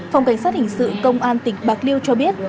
phòng cảnh sát hình sự công an tỉnh bạc liêu cho biết